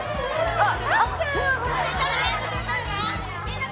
あっ。